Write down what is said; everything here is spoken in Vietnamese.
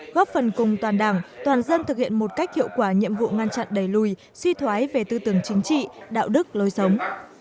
góp phần cùng toàn đảng toàn dân thực hiện một cách hiệu quả nhiệm vụ ngăn chặn đẩy lùi suy thoái về tư tưởng chính trị đạo đức lối sống